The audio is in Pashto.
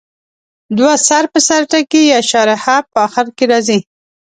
دوه سر په سر ټکي یا شارحه په اخر کې راځي.